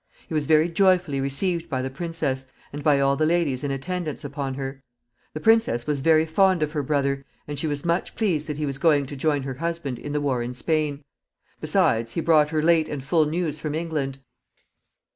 He was very joyfully received by the princess, and by all the ladies in attendance upon her. The princess was very fond of her brother, and she was much pleased that he was going to join her husband in the war in Spain; besides, he brought her late and full news from England.